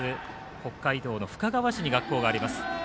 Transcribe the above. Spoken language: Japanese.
北海道の深川市に学校があります。